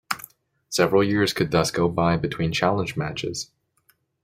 Several years could thus go by between challenge matches.